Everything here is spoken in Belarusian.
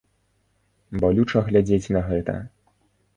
Балюча глядзець на гэта.